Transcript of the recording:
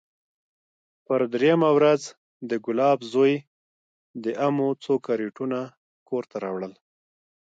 پر درېيمه ورځ د ګلاب زوى د امو څو کرېټونه کور ته راوړل.